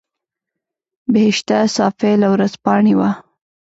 بهشته صافۍ له ورځپاڼې وه.